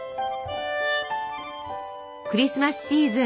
クリスマスシーズン